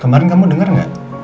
kemarin kamu denger gak